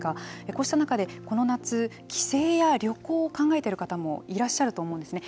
こうした中でこの夏帰省や旅行を考えている方もいらっしゃると思うんですね。